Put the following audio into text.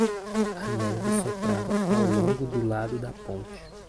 A neve soprava ao longo do lado da ponte.